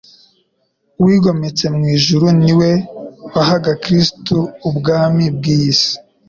Uwigometse mu ijuru niwe wahaga Kristo ubwami bw’iyi si,